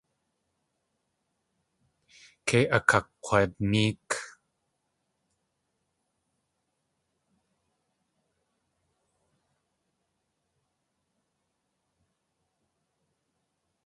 Kei akakg̲wanéek.